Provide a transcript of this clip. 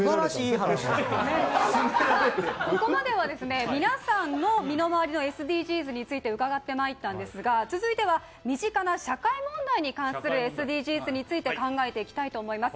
ここまでは皆さんの身の回りのＳＤＧｓについて伺ってまいったんですが、続いては身近な社会問題に関するＳＤＧｓについて考えていきたいと思います。